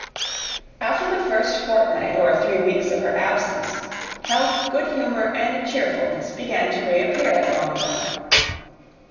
After the first fortnight or three weeks of her absence, health, good humour, and cheerfulness began to reappear at Longbourn.